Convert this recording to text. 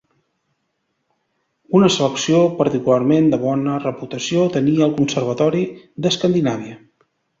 Una selecció particularment de bona reputació tenia el Conservatori d'Escandinàvia.